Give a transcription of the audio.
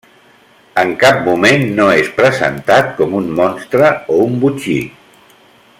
En cap moment no és presentat com un monstre o un botxí.